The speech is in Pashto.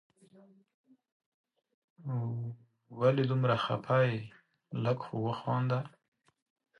ولي دومره خفه یې ؟ لږ خو وخانده